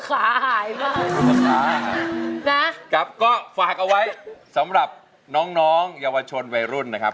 กลับก็ฝากเอาไว้สำหรับน้องยาวชนวัยรุ่นนะครับ